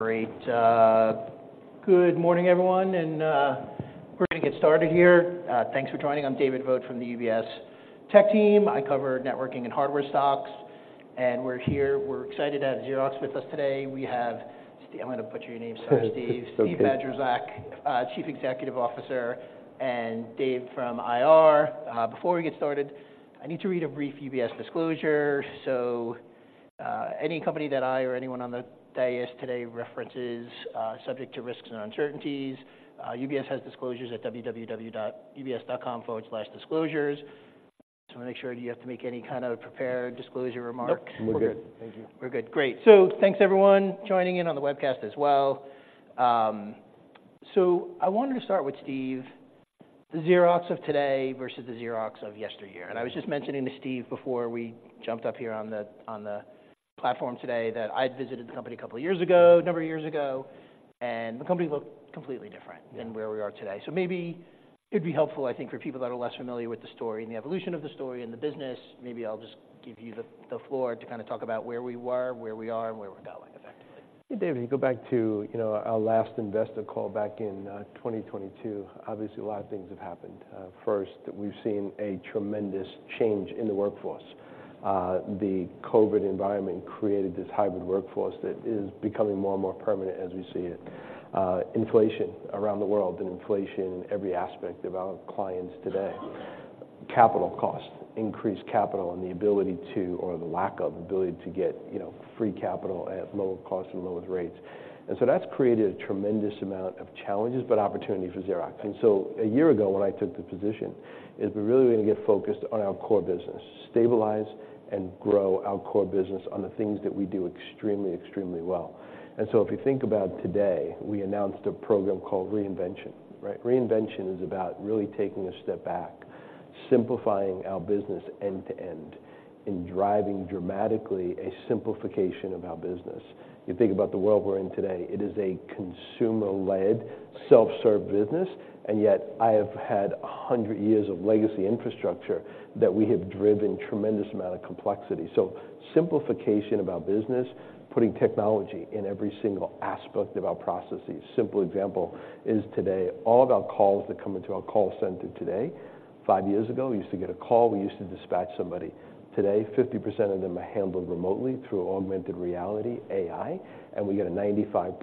Great. Good morning, everyone, and we're gonna get started here. Thanks for joining. I'm David Vogt from the UBS tech team. I cover networking and hardware stocks, and we're here. We're excited to have Xerox with us today. We have Steve-- I'm gonna put your name aside, Steve-. It's okay. Steve Bandrowczak, Chief Executive Officer, and Dave from IR. Before we get started, I need to read a brief UBS disclosure. So, any company that I or anyone on the dais today references, subject to risks and uncertainties. UBS has disclosures at www.ubs.com/disclosures. Just wanna make sure, do you have to make any kind of prepared disclosure remark? Nope, we're good. We're good. Thank you. We're good. Great. Thanks everyone joining in on the webcast as well. I wanted to start with Steve, the Xerox of today versus the Xerox of yesteryear. I was just mentioning to Steve before we jumped up here on the platform today, that I'd visited the company a couple of years ago, a number of years ago, and the company looked completely different-. Yeah. Than where we are today. So maybe it'd be helpful, I think, for people that are less familiar with the story and the evolution of the story and the business. Maybe I'll just give you the floor to kind of talk about where we were, where we are, and where we're going, effectively. Yeah, David, you go back to, you know, our last investor call back in 2022. Obviously, a lot of things have happened. First, we've seen a tremendous change in the workforce. The COVID environment created this hybrid workforce that is becoming more and more permanent as we see it. Inflation around the world and inflation in every aspect of our clients today. Capital costs, increased capital, and the ability to, or the lack of ability to get, you know, free capital at lower costs and lower rates. And so that's created a tremendous amount of challenges, but opportunity for Xerox. And so a year ago, when I took the position, is we're really going to get focused on our core business, stabilize and grow our core business on the things that we do extremely, extremely well. And so if you think about today, we announced a program called Reinvention. Right? Reinvention is about really taking a step back, simplifying our business end-to-end, and driving dramatically a simplification of our business. You think about the world we're in today, it is a consumer-led, self-serve business, and yet I have had 100 years of legacy infrastructure that we have driven tremendous amount of complexity. So simplification of our business, putting technology in every single aspect of our processes. Simple example is today, all of our calls that come into our call center today, five years ago, we used to get a call, we used to dispatch somebody. Today, 50% of them are handled remotely through augmented reality, AI, and we get a 95%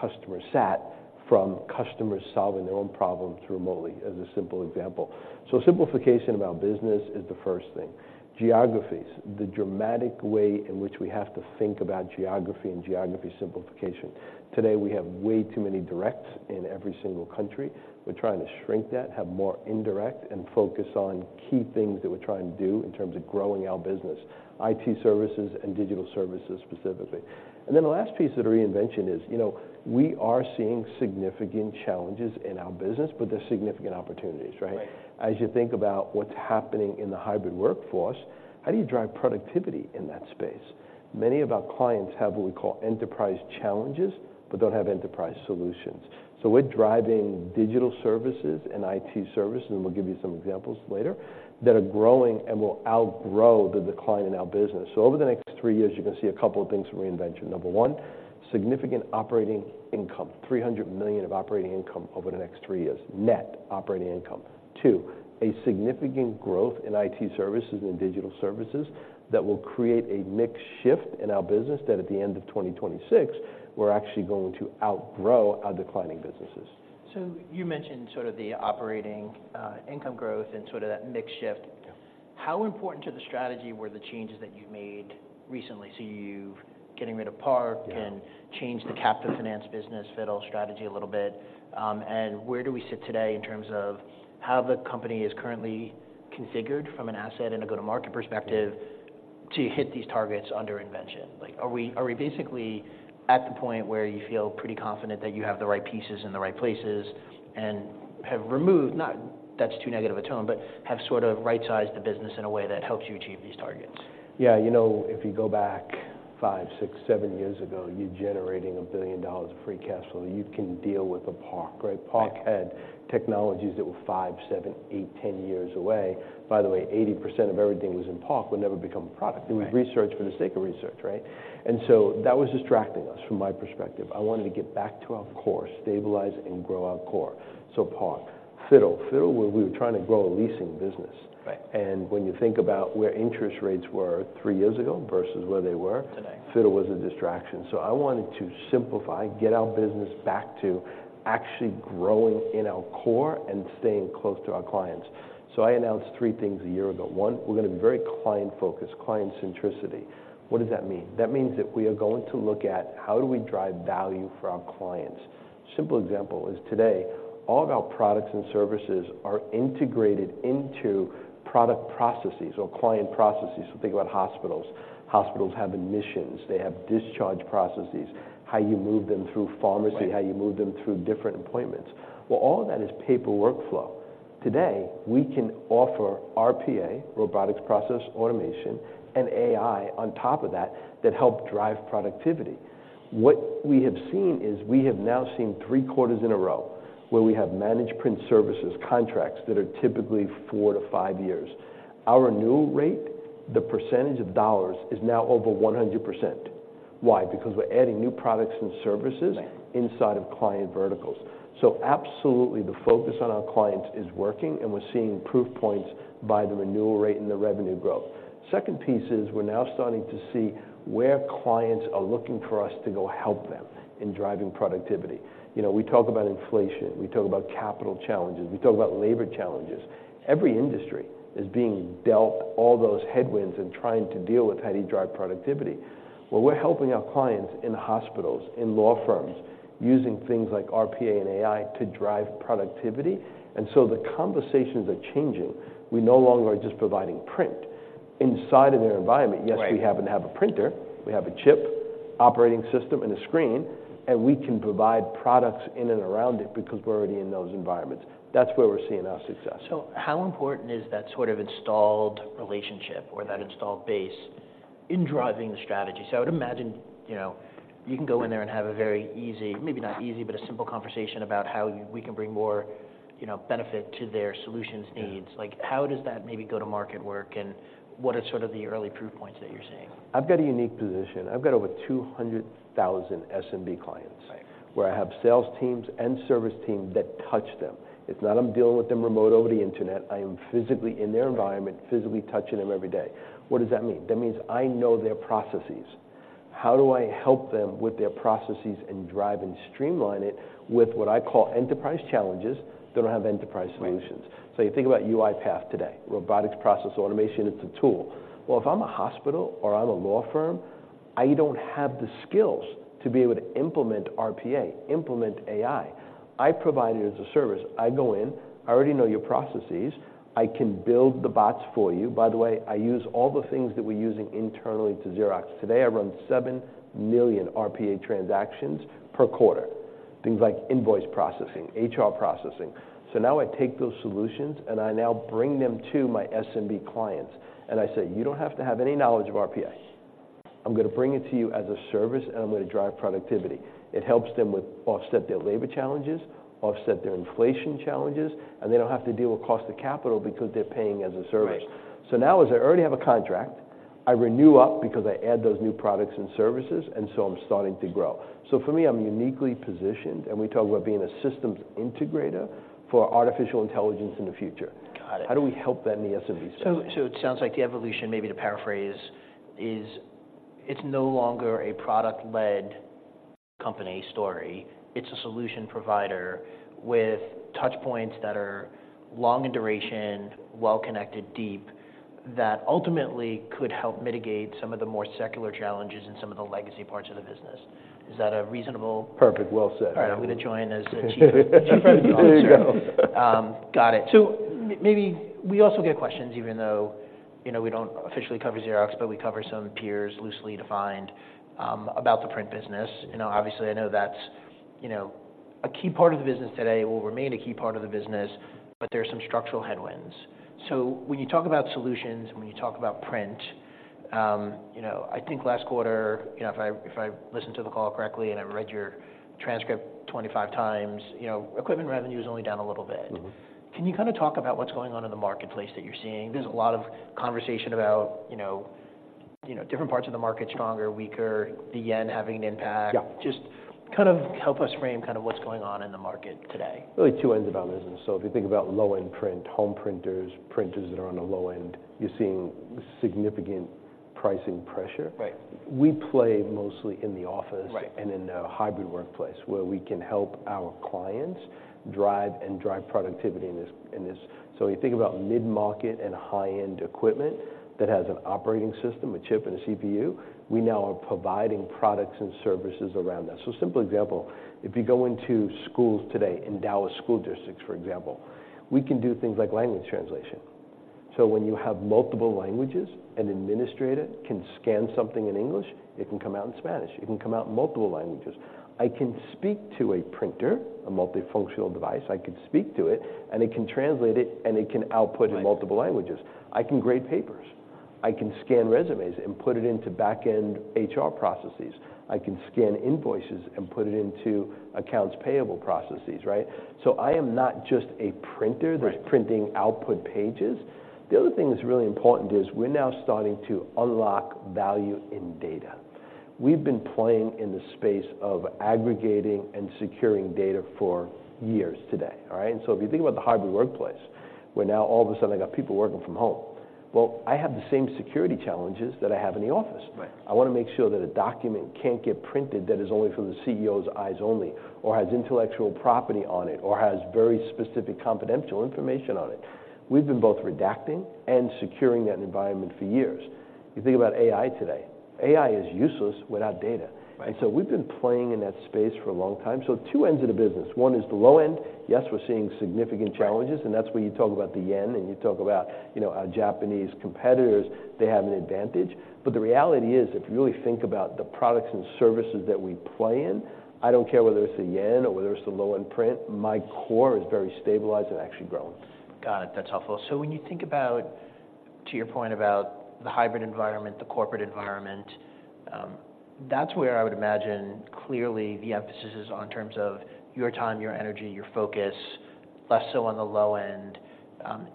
customer sat from customers solving their own problems remotely, as a simple example. So simplification of our business is the first thing. Geographies, the dramatic way in which we have to think about geography and geography simplification. Today, we have way too many directs in every single country. We're trying to shrink that, have more indirect, and focus on key things that we're trying to do in terms of growing our business, IT services and digital services, specifically. And then the last piece of the Reinvention is, you know, we are seeing significant challenges in our business, but there are significant opportunities, right? Right. As you think about what's happening in the hybrid workforce, how do you drive productivity in that space? Many of our clients have what we call enterprise challenges, but don't have enterprise solutions. So we're driving digital services and IT services, and we'll give you some examples later, that are growing and will outgrow the decline in our business. So over the next three years, you're going to see a couple of things from Reinvention. Number one, significant operating income, $300 million of operating income over the next three years, net operating income. Two, a significant growth in IT services and digital services that will create a mix shift in our business, that at the end of 2026, we're actually going to outgrow our declining businesses. So you mentioned sort of the operating income growth and sort of that mix shift. Yeah. How important to the strategy were the changes that you made recently? So you're getting rid of PARC-. Yeah And changed the capital finance business, FITTLE strategy a little bit. And where do we sit today in terms of how the company is currently configured from an asset and a go-to-market perspective to hit these targets under investment? Like, are we, are we basically at the point where you feel pretty confident that you have the right pieces in the right places and have removed... Not, that's too negative a tone, but have sort of right-sized the business in a way that helps you achieve these targets? Yeah, you know, if you go back five, six, seven years ago, you're generating $1 billion of free cash flow, you can deal with the PARC, right? Right. PARC had technologies that were five, seven, eight, 10 years away. By the way, 80% of everything that was in PARC would never become a product. Right. It was research for the sake of research, right? And so that was distracting us from my perspective. I wanted to get back to our core, stabilize and grow our core. So PARC. FITTLE. FITTLE, where we were trying to grow a leasing business. Right. When you think about where interest rates were three years ago versus where they were-. Today. FITTLE was a distraction. I wanted to simplify, get our business back to actually growing in our core and staying close to our clients. I announced three things a year ago. One, we're gonna be very client-focused, client centricity. What does that mean? That means that we are going to look at how do we drive value for our clients. Simple example is today, all of our products and services are integrated into product processes or client processes. So think about hospitals. Hospitals have admissions, they have discharge processes, how you move them through pharmacy-. Right. How you move them through different appointments. Well, all of that is paper workflow. Today, we can offer RPA, Robotic Process Automation, and AI on top of that, that help drive productivity. What we have seen is we have now seen three quarters in a row where we have managed print services, contracts that are typically four to five years. Our renewal rate, the percentage of dollars is now over 100%. Why? Because we're adding new products and services- Right. Inside of client verticals. So absolutely, the focus on our clients is working, and we're seeing proof points by the renewal rate and the revenue growth. Second piece is, we're now starting to see where clients are looking for us to go help them in driving productivity. You know, we talk about inflation, we talk about capital challenges, we talk about labor challenges. Every industry is being dealt all those headwinds and trying to deal with how do you drive productivity. Well, we're helping our clients in hospitals, in law firms, using things like RPA and AI to drive productivity. And so the conversations are changing. We no longer are just providing print. Inside of their environment. Right. Yes, we happen to have a printer, we have a chip, operating system, and a screen, and we can provide products in and around it because we're already in those environments. That's where we're seeing our success. So how important is that sort of installed relationship or that installed base in driving the strategy? So I would imagine, you know, you can go in there and have a very easy, maybe not easy, but a simple conversation about how we can bring more, you know, benefit to their solutions needs. Yeah. Like, how does that maybe go to market work, and what are sort of the early proof points that you're seeing? I've got a unique position. I've got over 200,000 SMB clients-. Right. Where I have sales teams and service teams that touch them. It's not I'm dealing with them remote over the internet, I am physically in their environment-. Right. Physically touching them every day. What does that mean? That means I know their processes. How do I help them with their processes and drive and streamline it with what I call enterprise challenges that don't have enterprise solutions? Right. So you think about UiPath today, robotics, process, automation, it's a tool. Well, if I'm a hospital or I'm a law firm, I don't have the skills to be able to implement RPA, implement AI. I provide it as a service. I go in, I already know your processes, I can build the bots for you. By the way, I use all the things that we're using internally to Xerox. Today, I run 7 million RPA transactions per quarter. Things like invoice processing, HR processing. So now I take those solutions, and I now bring them to my SMB clients, and I say, "You don't have to have any knowledge of RPA. I'm gonna bring it to you as a service, and I'm gonna drive productivity." It helps them offset their labor challenges, offset their inflation challenges, and they don't have to deal with cost of capital because they're paying as a service. Right. Now, as I already have a contract, I renew up because I add those new products and services, and so I'm starting to grow. For me, I'm uniquely positioned, and we talk about being a systems integrator for artificial intelligence in the future. Got it. How do we help that in the SMB space? So, so it sounds like the evolution, maybe to paraphrase, is it's no longer a product-led company story. It's a solution provider with touch points that are long in duration, well-connected, deep, that ultimately could help mitigate some of the more secular challenges in some of the legacy parts of the business. Is that a reasonable. Perfect. Well said. All right. I'm gonna join as a chief officer. There you go. Got it. So maybe we also get questions, even though, you know, we don't officially cover Xerox, but we cover some peers, loosely defined, about the print business. You know, obviously, I know that's, you know, a key part of the business today, will remain a key part of the business, but there are some structural headwinds. So when you talk about solutions, when you talk about print, you know, I think last quarter, you know, if I, if I listened to the call correctly, and I read your transcript 25 times, you know, equipment revenue is only down a little bit. Mm-hmm. Can you kinda talk about what's going on in the marketplace that you're seeing? There's a lot of conversation about, you know, you know, different parts of the market, stronger, weaker, the yen having an impact. Yeah. Just kind of help us frame kinda what's going on in the market today. Really, two ends of our business. So if you think about low-end print, home printers, printers that are on the low end, you're seeing significant pricing pressure. Right. We play mostly in the office. Right And in the hybrid workplace, where we can help our clients drive productivity in this. So when you think about mid-market and high-end equipment that has an operating system, a chip, and a CPU, we now are providing products and services around that. So a simple example, if you go into schools today, in Dallas school districts, for example, we can do things like language translation. So when you have multiple languages, an administrator can scan something in English, it can come out in Spanish. It can come out in multiple languages. I can speak to a printer, a multifunctional device. I can speak to it, and it can translate it, and it can output. Right. In multiple languages. I can grade papers, I can scan resumes and put it into back-end HR processes. I can scan invoices and put it into accounts payable processes, right? So I am not just a printer. Right. That's printing output pages. The other thing that's really important is, we're now starting to unlock value in data. We've been playing in the space of aggregating and securing data for years today, all right? And so if you think about the hybrid workplace, where now all of a sudden, I got people working from home, well, I have the same security challenges that I have in the office. Right. I wanna make sure that a document can't get printed that is only for the CEO's eyes only, or has intellectual property on it, or has very specific confidential information on it. We've been both redacting and securing that environment for years. You think about AI today. AI is useless without data. Right. And so we've been playing in that space for a long time. So two ends of the business. One is the low end. Yes, we're seeing significant challenges. Right. That's where you talk about the yen, and you talk about, you know, our Japanese competitors, they have an advantage. But the reality is, if you really think about the products and services that we play in, I don't care whether it's the yen or whether it's the low-end print, my core is very stabilized and actually growing. Got it. That's helpful. So when you think about, to your point, about the hybrid environment, the corporate environment, that's where I would imagine clearly the emphasis is on in terms of your time, your energy, your focus... less so on the low end.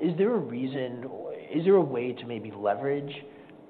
Is there a reason or is there a way to maybe leverage,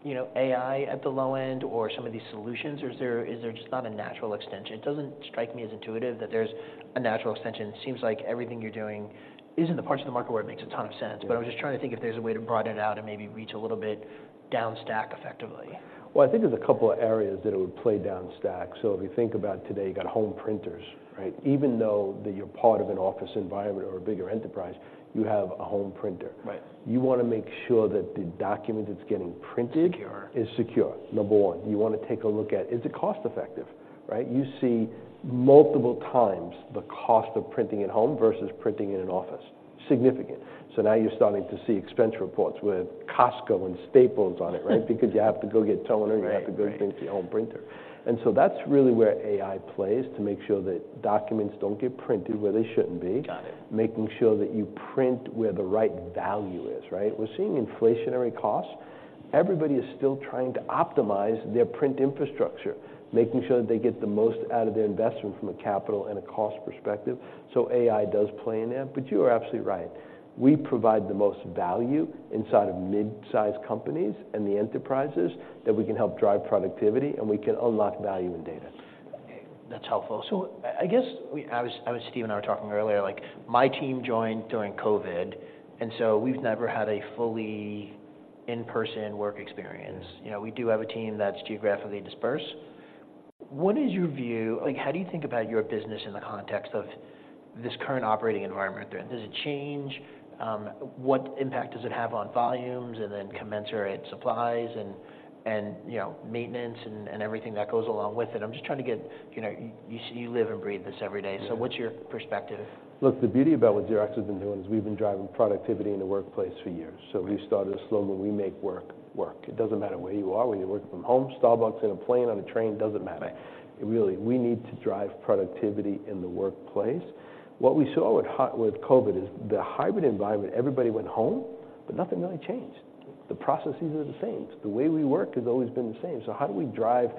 you know, AI at the low end or some of these solutions, or is there just not a natural extension? It doesn't strike me as intuitive that there's a natural extension. It seems like everything you're doing is in the parts of the market where it makes a ton of sense. Yeah. I was just trying to think if there's a way to broaden it out and maybe reach a little bit down stack effectively. Well, I think there's a couple of areas that it would play down stack. So if you think about today, you got home printers, right? Even though that you're part of an office environment or a bigger enterprise, you have a home printer. Right. You wanna make sure that the document that's getting printed. Secure. Is secure, number one. You wanna take a look at, is it cost effective, right? You see multiple times the cost of printing at home versus printing in an office, significant. So now you're starting to see expense reports with Costco and Staples on it, right? Because you have to go get toner. Right, right. You have to go to your home printer. And so that's really where AI plays to make sure that documents don't get printed where they shouldn't be. Got it. Making sure that you print where the right value is, right? We're seeing inflationary costs. Everybody is still trying to optimize their print infrastructure, making sure that they get the most out of their investment from a capital and a cost perspective. So AI does play in there, but you are absolutely right. We provide the most value inside of mid-sized companies and the enterprises, that we can help drive productivity and we can unlock value in data. Okay, that's helpful. So I guess Steve and I were talking earlier, like, my team joined during COVID, and so we've never had a fully in-person work experience. You know, we do have a team that's geographically dispersed. What is your view, like, how do you think about your business in the context of this current operating environment? Does it change? What impact does it have on volumes and then commensurate supplies and, you know, maintenance and everything that goes along with it? I'm just trying to get, you know, you live and breathe this every day. Yeah. What's your perspective? Look, the beauty about what Xerox has been doing is we've been driving productivity in the workplace for years. Right. So we started a slogan, "We make work, work." It doesn't matter where you are, whether you're working from home, Starbucks, in a plane, on a train, doesn't matter. Really, we need to drive productivity in the workplace. What we saw with COVID is the hybrid environment, everybody went home, but nothing really changed. The processes are the same. The way we work has always been the same. So how do we drive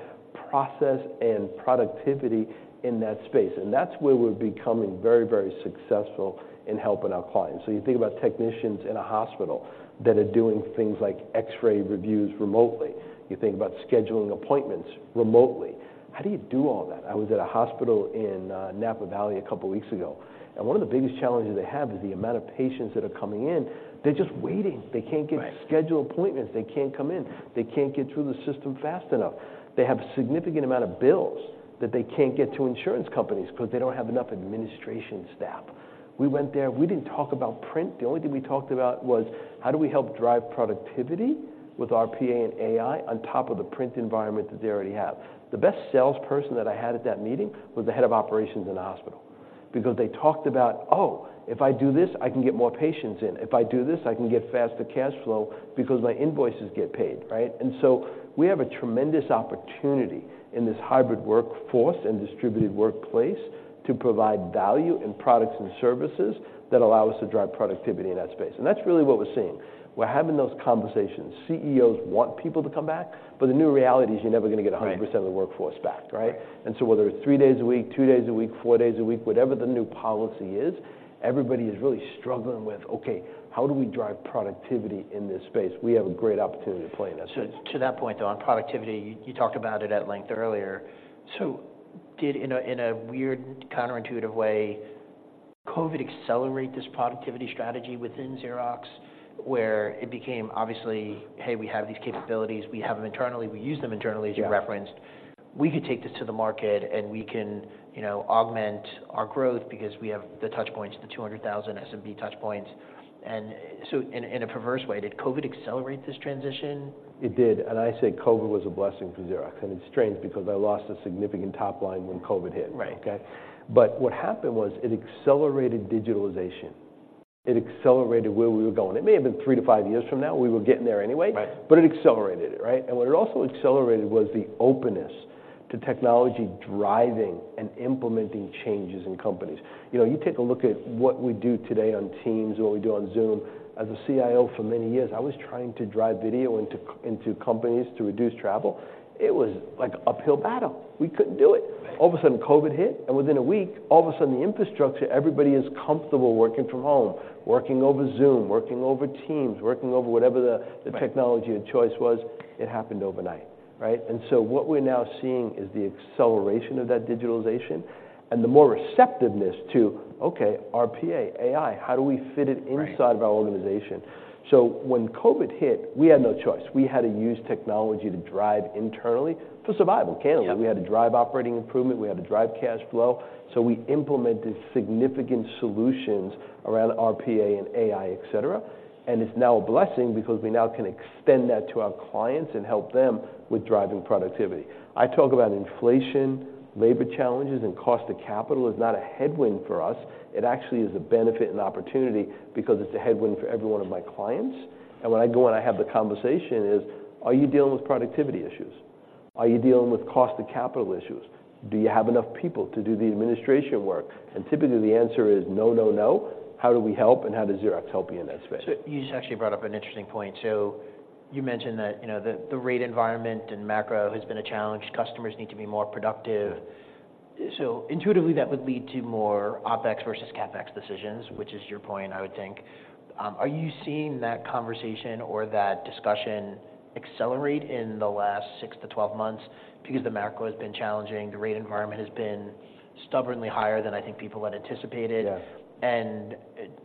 process and productivity in that space? And that's where we're becoming very, very successful in helping our clients. So you think about technicians in a hospital that are doing things like X-ray reviews remotely. You think about scheduling appointments remotely. How do you do all that? I was at a hospital in Napa Valley a couple weeks ago, and one of the biggest challenges they have is the amount of patients that are coming in. They're just waiting. Right. They can't get scheduled appointments. They can't come in. They can't get through the system fast enough. They have a significant amount of bills that they can't get to insurance companies because they don't have enough administration staff. We went there, we didn't talk about print. The only thing we talked about was, how do we help drive productivity with RPA and AI on top of the print environment that they already have? The best salesperson that I had at that meeting was the head of operations in the hospital, because they talked about, "Oh, if I do this, I can get more patients in. If I do this, I can get faster cash flow because my invoices get paid," right? We have a tremendous opportunity in this hybrid workforce and distributed workplace to provide value in products and services that allow us to drive productivity in that space, and that's really what we're seeing. We're having those conversations. CEOs want people to come back, but the new reality is you're never gonna get. Right.... 100% of the workforce back, right? Right. And so whether it's three days a week, two days a week, four days a week, whatever the new policy is, everybody is really struggling with, "Okay, how do we drive productivity in this space?" We have a great opportunity to play in that space. So to that point, though, on productivity, you talked about it at length earlier. So did, in a weird, counterintuitive way, COVID accelerate this productivity strategy within Xerox, where it became obviously, "Hey, we have these capabilities. We have them internally. We use them internally". Yeah. As you referenced. We could take this to the market and we can, you know, augment our growth because we have the touch points, the 200,000 SMB touch points." And so in a perverse way, did COVID accelerate this transition? It did, and I say COVID was a blessing for Xerox, and it's strange because I lost a significant top line when COVID hit. Right. Okay? But what happened was, it accelerated digitalization. It accelerated where we were going. It may have been 3-5 years from now, we were getting there anyway-. Right. But it accelerated it, right? And what it also accelerated was the openness to technology driving and implementing changes in companies. You know, you take a look at what we do today on Teams or we do on Zoom. As a CIO for many years, I was trying to drive video into into companies to reduce travel. It was like uphill battle. We couldn't do it. Right. All of a sudden, COVID hit, and within a week, all of a sudden, the infrastructure, everybody is comfortable working from home, working over Zoom, working over Teams, working over whatever the. Right. The technology of choice was. It happened overnight, right? And so what we're now seeing is the acceleration of that digitalization and the more receptiveness to, okay, RPA, AI, how do we fit it inside-. Right. Of our organization? So when COVID hit, we had no choice. We had to use technology to drive internally for survival, can't we? Yeah. We had to drive operating improvement. We had to drive cash flow. So we implemented significant solutions around RPA and AI, et cetera, and it's now a blessing because we now can extend that to our clients and help them with driving productivity. I talk about inflation, labor challenges, and cost of capital is not a headwind for us. It actually is a benefit and opportunity because it's a headwind for every one of my clients. And when I go and I have the conversation is: Are you dealing with productivity issues? Are you dealing with cost of capital issues? Do you have enough people to do the administration work? And typically, the answer is no, no, no. How do we help, and how does Xerox help you in that space? So you just actually brought up an interesting point. You mentioned that, you know, the rate environment and macro has been a challenge. Customers need to be more productive. So intuitively, that would lead to more OpEx versus CapEx decisions, which is your point, I would think. Are you seeing that conversation or that discussion accelerate in the last six-12 months because the macro has been challenging, the rate environment has been stubbornly higher than I think people had anticipated? Yes.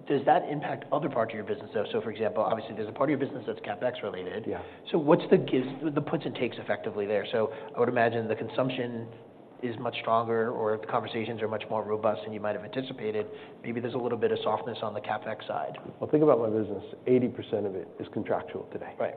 Does that impact other parts of your business, though? For example, obviously, there's a part of your business that's CapEx related. Yeah. So what's the puts and takes effectively there? So I would imagine the consumption is much stronger or the conversations are much more robust than you might have anticipated. Maybe there's a little bit of softness on the CapEx side. Well, think about my business. 80% of it is contractual today. Right.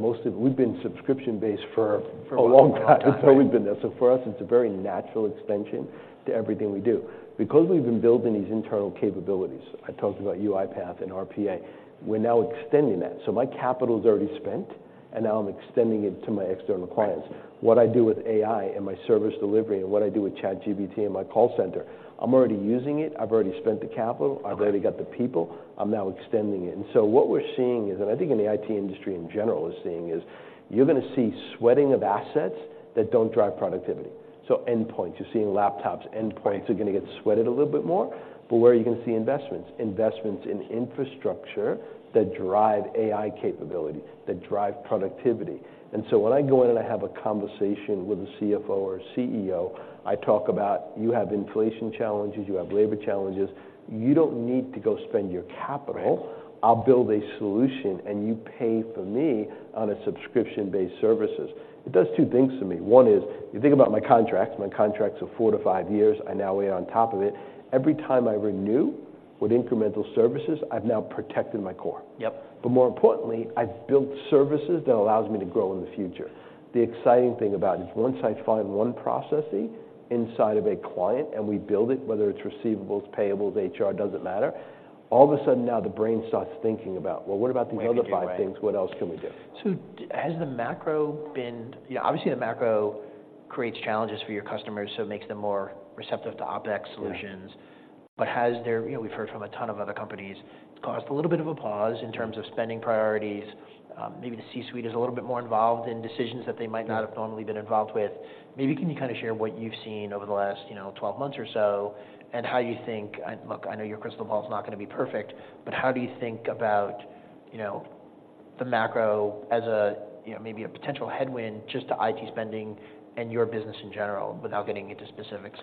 Most of it, we've been subscription-based for a long time. For a long time. It's always been there. So for us, it's a very natural extension to everything we do. Because we've been building these internal capabilities, I talked about UiPath and RPA, we're now extending that. So my capital is already spent, and now I'm extending it to my external clients. Right. What I do with AI and my service delivery and what I do with ChatGPT and my call center, I'm already using it. I've already spent the capital. Okay. I've already got the people. I'm now extending it. And so what we're seeing is, and I think in the IT industry in general is seeing, is you're going to see sweating of assets that don't drive productivity. So endpoints, you're seeing laptops, endpoints-. Right. Are going to get sweated a little bit more. But where are you going to see investments? Investments in infrastructure that drive AI capability, that drive productivity. And so when I go in and I have a conversation with a CFO or a CEO, I talk about, "You have inflation challenges, you have labor challenges. You don't need to go spend your capital. Right. I'll build a solution, and you pay for me on a subscription-based services." It does two things for me. One is, you think about my contracts. My contracts are four to five years. I now weigh on top of it. Every time I renew with incremental services, I've now protected my core. Yep. But more importantly, I've built services that allow me to grow in the future. The exciting thing about it is once I find one processing inside of a client and we build it, whether it's receivables, payables, HR, doesn't matter, all of a sudden now the brain starts thinking about, Well, what about these other five things? Waiting to do, right. What else can we do? So has the macro been... Yeah, obviously, the macro creates challenges for your customers, so it makes them more receptive to OpEx solutions. Yeah. But has there—you know, we've heard from a ton of other companies, it's caused a little bit of a pause in terms of spending priorities. Maybe the C-suite is a little bit more involved in decisions that they might. Yeah. Not have normally been involved with. Maybe can you kinda share what you've seen over the last 12 months or so, and how you think... And look, I know your crystal ball is not going to be perfect, but how do you think about, you know, the macro as a, you know, maybe a potential headwind just to IT spending and your business in general, without getting into specifics?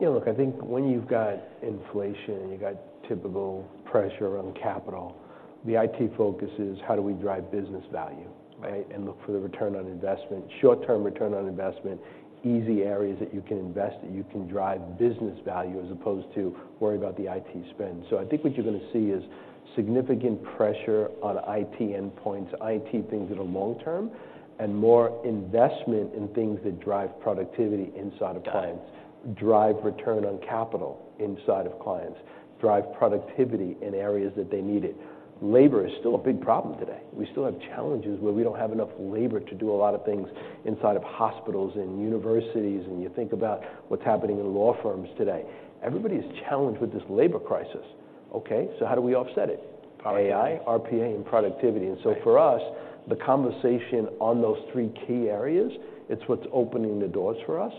Yeah, look, I think when you've got inflation and you've got typical pressure on capital, the IT focus is how do we drive business value? Right. Look for the return on investment, short-term return on investment, easy areas that you can invest, that you can drive business value, as opposed to worry about the IT spend. So I think what you're going to see is significant pressure on IT endpoints, IT things that are long-term, and more investment in things that drive productivity inside of clients, drive return on capital inside of clients, drive productivity in areas that they need it. Labor is still a big problem today. We still have challenges where we don't have enough labor to do a lot of things inside of hospitals and universities, and you think about what's happening in law firms today. Everybody is challenged with this labor crisis, okay? So how do we offset it? Productivity. AI, RPA, and productivity. Right. For us, the conversation on those three key areas, it's what's opening the doors for us.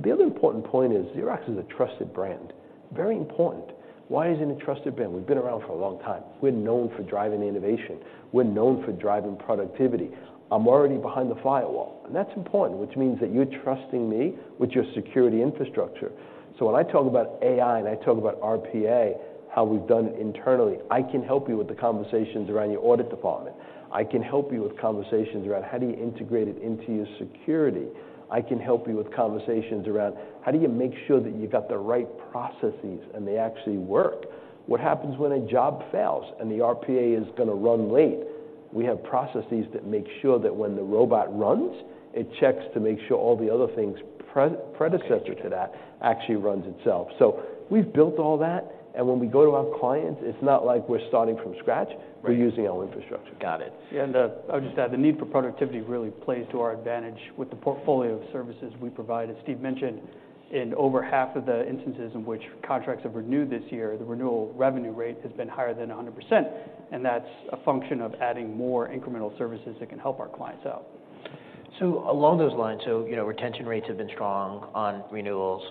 The other important point is, Xerox is a trusted brand. Very important. Why is it a trusted brand? We've been around for a long time. We're known for driving innovation. We're known for driving productivity. I'm already behind the firewall, and that's important, which means that you're trusting me with your security infrastructure. When I talk about AI and I talk about RPA, how we've done it internally, I can help you with the conversations around your audit department. I can help you with conversations around how do you integrate it into your security. I can help you with conversations around how do you make sure that you got the right processes and they actually work? What happens when a job fails and the RPA is going to run late? We have processes that make sure that when the robot runs, it checks to make sure all the other things predecessors to that actually runs itself. So we've built all that, and when we go to our clients, it's not like we're starting from scratch. Right. We're using our infrastructure. Got it. Yeah, and, I'll just add, the need for productivity really plays to our advantage with the portfolio of services we provide. As Steve mentioned, in over half of the instances in which contracts have renewed this year, the renewal revenue rate has been higher than 100%, and that's a function of adding more incremental services that can help our clients out. So along those lines, so, you know, retention rates have been strong on renewals.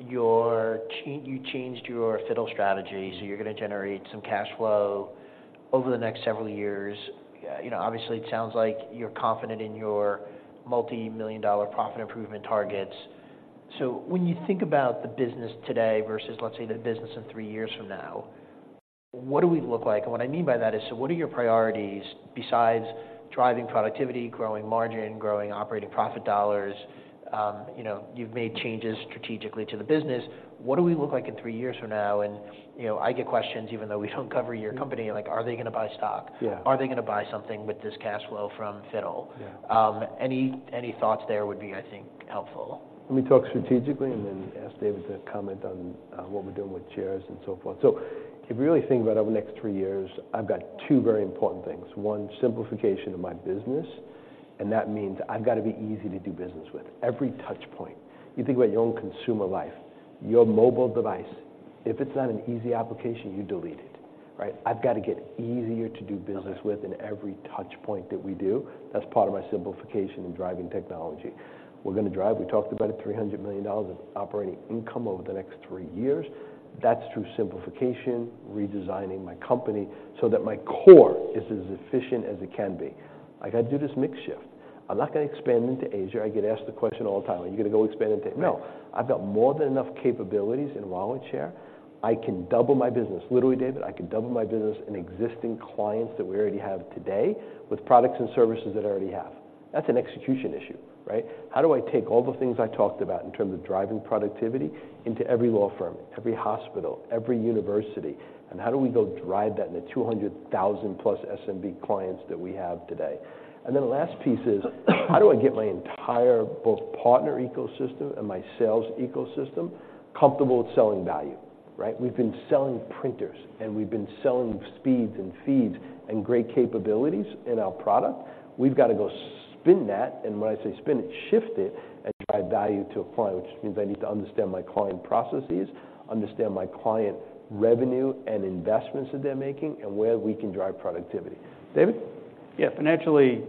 You changed your FITTLE strategy, so you're going to generate some cash flow over the next several years. You know, obviously, it sounds like you're confident in your multimillion-dollar profit improvement targets. So when you think about the business today versus, let's say, the business in three years from now, what do we look like? And what I mean by that is, so what are your priorities besides driving productivity, growing margin, growing operating profit dollars? You know, you've made changes strategically to the business. What do we look like in three years from now? And you know, I get questions, even though we don't cover your company, like, are they going to buy stock? Yeah. Are they going to buy something with this cash flow from FITTLE? Yeah. Any thoughts there would be, I think, helpful. Let me talk strategically and then ask David to comment on what we're doing with shares and so forth. So if you really think about over the next three years, I've got two very important things. One, simplification of my business, and that means I've got to be easy to do business with. Every touch point. You think about your own consumer life, your mobile device, if it's not an easy application, you delete it, right? I've got to get easier to do business with in every touch point that we do. That's part of my simplification in driving technology. We're going to drive... We talked about it, $300 million of operating income over the next three years. That's through simplification, redesigning my company so that my core is as efficient as it can be. I've got to do this mix shift. I'm not going to expand into Asia. I get asked the question all the time: "Are you going to go expand into-" No, I've got more than enough capabilities in market share. I can double my business. Literally, David, I can double my business in existing clients that we already have today with products and services that I already have. That's an execution issue, right? How do I take all the things I talked about in terms of driving productivity into every law firm, every hospital, every university, and how do we go drive that in the 200,000+ SMB clients that we have today? And then the last piece is, how do I get my entire both partner ecosystem and my sales ecosystem comfortable with selling value, right? We've been selling printers and we've been selling speeds and feeds and great capabilities in our product. We've got to go spin that, and when I say spin it, shift it and drive value to a client, which means I need to understand my client processes, understand my client revenue and investments that they're making, and where we can drive productivity. David? Yeah, financially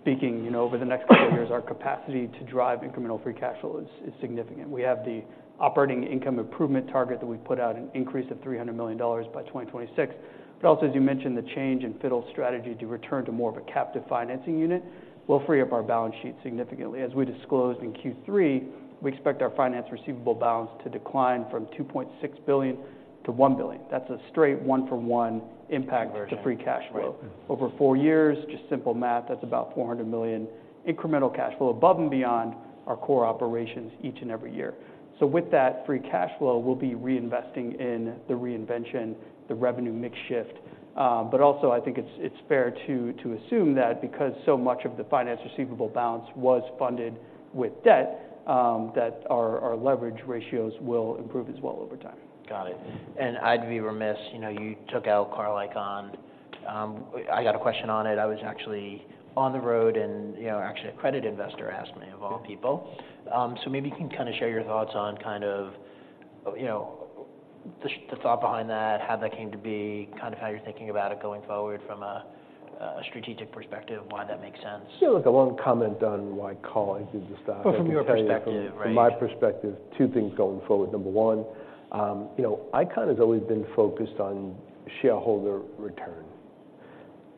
speaking, you know, over the next couple years, our capacity to drive incremental free cash flow is, is significant. We have the operating income improvement target that we've put out, an increase of $300 million by 2026. But also, as you mentioned, the change in FITTLE strategy to return to more of a captive financing unit will free up our balance sheet significantly. As we disclosed in Q3, we expect our finance receivable balance to decline from $2.6 billion-$1 billion. That's a straight one-for-one impact-. Conversion. To free cash flow. Right. Over four years, just simple math, that's about $400 million incremental cash flow above and beyond our core operations each and every year. So with that free cash flow, we'll be reinvesting in the Reinvention, the revenue mix shift. But also, I think it's fair to assume that because so much of the finance receivable balance was funded with debt, that our leverage ratios will improve as well over time. Got it. I'd be remiss, you know, you took out Carl Icahn. I got a question on it. I was actually on the road and, you know, actually, a credit investor asked me, of all people. So maybe you can kind of share your thoughts on kind of, you know, the thought behind that, how that came to be, kind of how you're thinking about it going forward from a strategic perspective, why that makes sense. Yeah, look, a long comment on why Carl Icahn did this stuff-. Well, from your perspective, right? From my perspective, two things going forward. Number one, you know, Icahn has always been focused on shareholder return.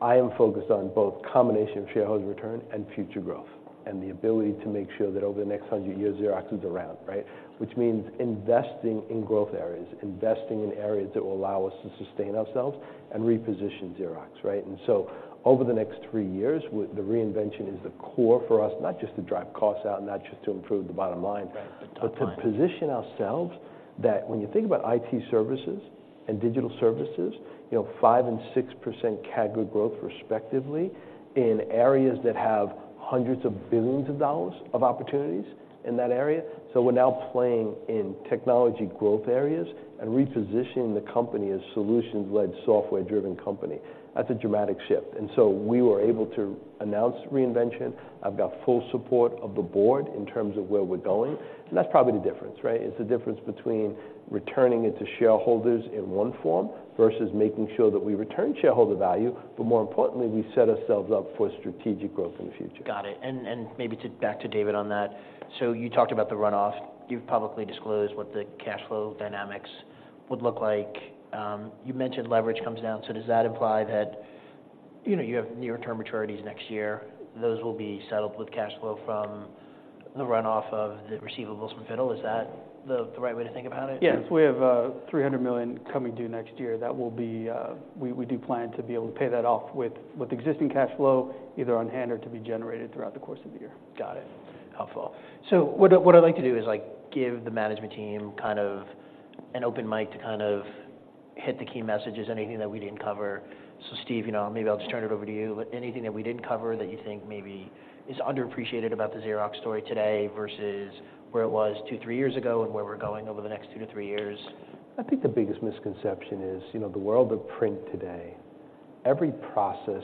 I am focused on both combination of shareholder return and future growth, and the ability to make sure that over the next 100 years, Xerox is around, right? Which means investing in growth areas, investing in areas that will allow us to sustain ourselves and reposition Xerox, right? And so over the next three years, the Reinvention is the core for us, not just to drive costs out, not just to improve the bottom line. Right, but top line. But to position ourselves, that when you think about IT services and digital services, you know, 5% and 6% category growth, respectively, in areas that have hundreds of billions of dollars of opportunities in that area. So we're now playing in technology growth areas and repositioning the company as solutions-led, software-driven company. That's a dramatic shift. And so we were able to announce Reinvention. I've got full support of the board in terms of where we're going, and that's probably the difference, right? It's the difference between returning it to shareholders in one form versus making sure that we return shareholder value, but more importantly, we set ourselves up for strategic growth in the future. Got it. And maybe back to David on that. So you talked about the runoff. You've publicly disclosed what the cash flow dynamics would look like. You mentioned leverage comes down. So does that imply that, you know, you have near-term maturities next year, those will be settled with cash flow from the runoff of the receivables from FITTLE? Is that the right way to think about it? Yes. We have $300 million coming due next year. That will be... We do plan to be able to pay that off with existing cash flow, either on hand or to be generated throughout the course of the year. Got it. Helpful. So what I, what I'd like to do is, like, give the management team kind of an open mic to kind of hit the key messages, anything that we didn't cover. So, Steve, you know, maybe I'll just turn it over to you. Anything that we didn't cover that you think maybe is underappreciated about the Xerox story today versus where it was two, three years ago and where we're going over the next two to three years? I think the biggest misconception is, you know, the world of print today, every process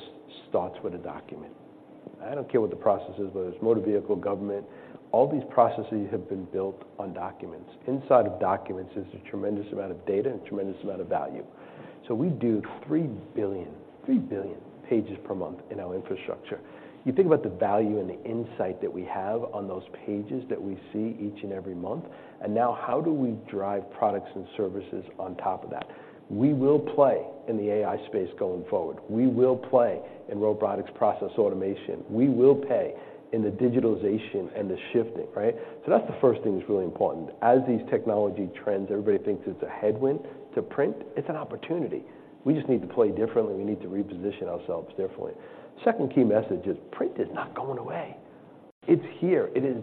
starts with a document. I don't care what the process is, whether it's motor vehicle, government, all these processes have been built on documents. Inside of documents, there's a tremendous amount of data and tremendous amount of value. So we do 3 billion, 3 billion pages per month in our infrastructure. You think about the value and the insight that we have on those pages that we see each and every month, and now how do we drive products and services on top of that? We will play in the AI space going forward. We will play in robotic process automation. We will play in the digitalization and the shifting, right? So that's the first thing that's really important. As these technology trends, everybody thinks it's a headwind to print, it's an opportunity. We just need to play differently. We need to reposition ourselves differently. Second key message is, print is not going away. It's here. It is...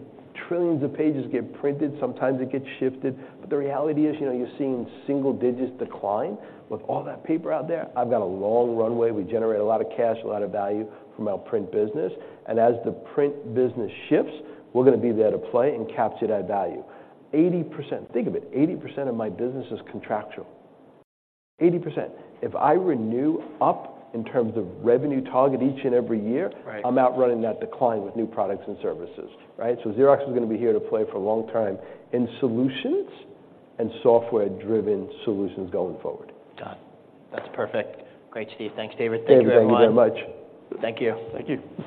Trillions of pages get printed, sometimes it gets shifted, but the reality is, you know, you're seeing single-digit decline. With all that paper out there, I've got a long runway. We generate a lot of cash, a lot of value from our print business, and as the print business shifts, we're going to be there to play and capture that value. 80%, think of it, 80% of my business is contractual. 80%. If I renew up in terms of revenue target each and every year. Right. I'm outrunning that decline with new products and services, right? So Xerox is going to be here to play for a long time in solutions and software-driven solutions going forward. Got it. That's perfect. Great, Steve. Thanks, David. David, thank you very much. Thank you, everyone. Thank you. Thank you.